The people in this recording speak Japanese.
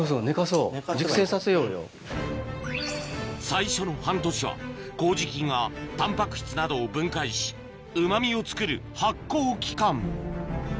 最初の半年は麹菌がタンパク質などを分解しうま味をつくる発酵期間